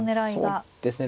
そうですね